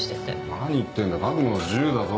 何言ってんだ書くのは自由だぞ。